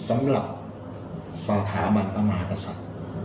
สำหรับสถาบันพระมหาศัพท์